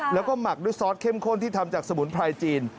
แล้วก็หมักด้วยซอสเข้มข้นที่ทำจากสมุนไพรจีน